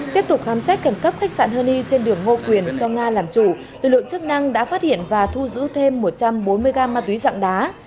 tiếp tục khám xét cảnh cấp khách sạn honey trên đường ngô quyền do nga làm chủ lực lượng chức năng đã phát hiện và thu giữ thêm một trăm bốn mươi ga ma túy dạng đá